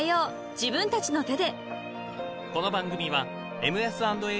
自分たちの手で］